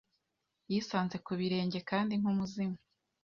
yisanze ku birenge Kandi nkumuzimu